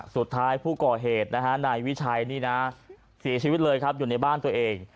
สุดท้ายผู้ก่อเหตุนะฮะนายวิชัยนี่นะเสียชีวิตเลยครับอยู่ในบ้านตัวเอง